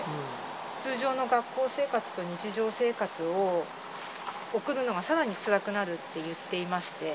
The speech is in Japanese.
通常の学校生活と日常生活を送るのがさらにつらくなるって言っていまして、